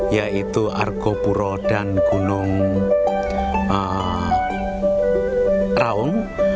yaitu argo puro dan gunung raung